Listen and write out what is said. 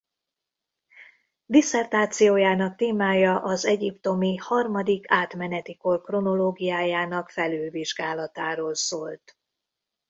Disszertációjának témája az egyiptomi Harmadik Átmeneti Kor kronológiájának felülvizsgálatáról szólt.